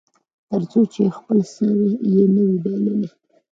تر څو چې خپل سر یې نه وي بایللی.